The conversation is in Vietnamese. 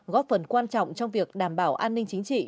góp phần quan trọng trong việc đảm bảo an ninh chính trị